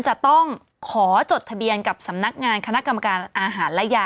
จะต้องขอจดทะเบียนกับสำนักงานคณะกรรมการอาหารและยา